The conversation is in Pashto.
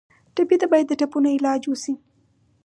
ټپي ته باید د ټپونو علاج وشي.